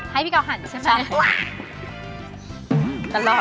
ให้พี่เกาหันใช่ไหม